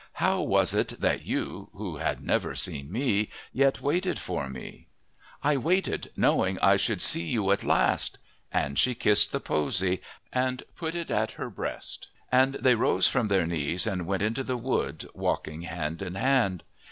How was it that you, who had never seen me, yet waited for me?" "I waited, knowing I should see you at last." And she kissed the posy and put it at her breast. And they rose from their knees and went into the wood, walking hand in hand.